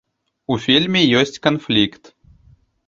У фільме ёсць канфлікт.